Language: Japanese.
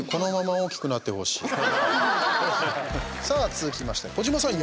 続きまして、児嶋さん。